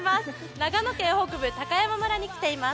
長野県北部・高山村に来ています。